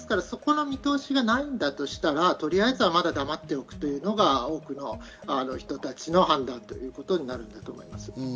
そこの見通しがないんだとしたら、とりあえずはまだ黙っておくというのが多くの人たちの判断ということになると思います。